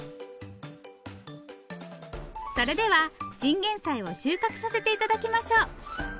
それではチンゲンサイを収穫させて頂きましょう。